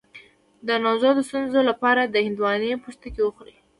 د نعوظ د ستونزې لپاره د هندواڼې پوستکی وخورئ